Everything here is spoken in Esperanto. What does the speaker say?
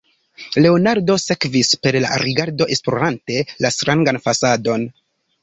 Leonardo sekvis, per la rigardo esplorante la strangan fasadon.